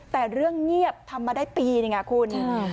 แต่เรื่องเงียบทำมาได้ปีหนึ่งคุณ